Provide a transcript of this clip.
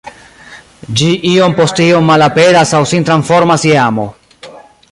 Ĝi iom post iom malaperas aŭ sin transformas je amo.